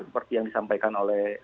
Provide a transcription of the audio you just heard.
seperti yang disampaikan oleh